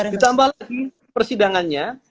ditambah lagi persidangannya